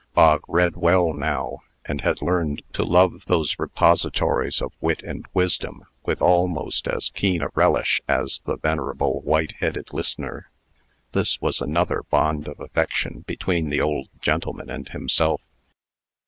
Bog read well now, and had learned to love those repositories of wit and wisdom with almost as keen a relish as the venerable white headed listener. This was another bond of affection between the old gentleman and himself.